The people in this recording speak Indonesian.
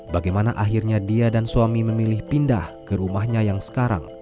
bagaimana akhirnya dia dan suami memilih pindah ke rumahnya yang sekarang